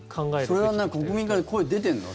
それは国民から声、出てるの？